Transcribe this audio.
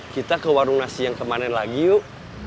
kita ke warung nasi yang kemarin lagi yuk